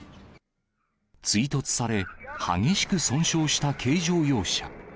追突され、激しく損傷した軽乗用車。